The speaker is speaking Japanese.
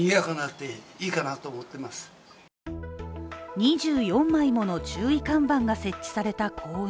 ２４枚もの注意看板が設置された公園。